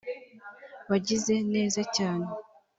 wagize neza cyane